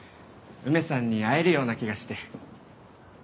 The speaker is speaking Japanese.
梅さんに会えるような気がして。